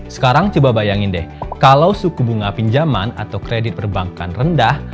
sekarang coba bayangin deh kalau suku bunga pinjaman atau kredit perbankan rendah